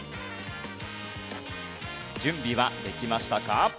準備はできましたか？